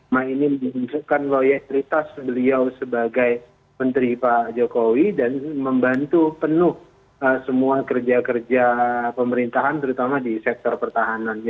nah ini menunjukkan loyalitas beliau sebagai menteri pak jokowi dan membantu penuh semua kerja kerja pemerintahan terutama di sektor pertahanan